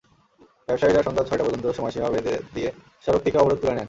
ব্যবসায়ীরা সন্ধ্যা ছয়টা পর্যন্ত সময়সীমা বেঁধে দিয়ে সড়ক থেকে অবরোধ তুলে নেন।